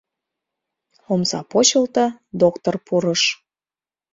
Омса почылто, доктор пурыш: